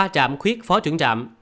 ba trạm khuyết phó trưởng trạm